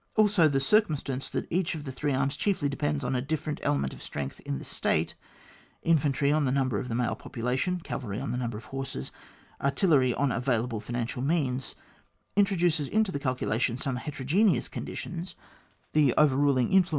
Also the circumstance that each of the three arms chiefly depends on a different element of strength in the state— Infan try on the number of the male popula tion, cavalry on the number of horses, artillery on available financial means— ^ introduces into the calculation some hete rogeneous conditions, the overruling influ OBAP.